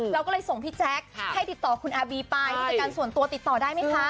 เราก็เลยส่งพี่แจ๊คให้ติดต่อคุณอาบีไปผู้จัดการส่วนตัวติดต่อได้ไหมคะ